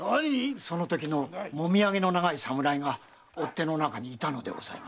〕そのときの揉み上げの長い侍が追手の中にいたのです。